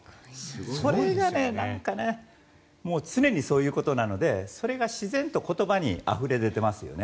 それがなんか常にそういうことなのでそれが自然と言葉にあふれ出てますよね。